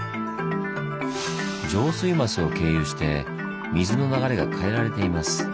上水枡を経由して水の流れが変えられています。